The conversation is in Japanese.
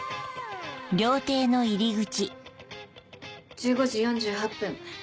１５時４８分